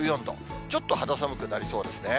ちょっと肌寒くなりそうですね。